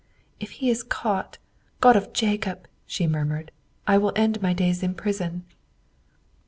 "If he is caught, God of Jacob!" she murmured, "I will end my days in prison."